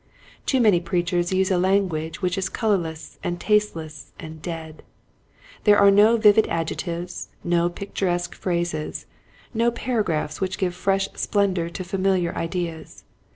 Too many preachers use a language which is colorless and tasteless and dead. There are no vivid adjectives, no picturesque phrases, no paragi'aphs which give fresh splendor to familiar ideas.